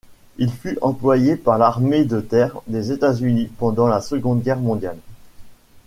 Il fut employé par l'armée de terre des États-Unis pendant la Seconde Guerre mondiale.